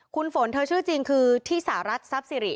คุณฝนเธอชื่อจริงคือที่สหรัฐทรัพย์สิริ